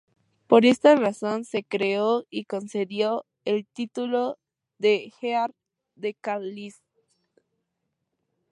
Por esta razón se creó y concedió el título de Earl de Carlisle.